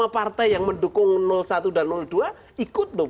jadi yang mendukung satu dan dua ikut lho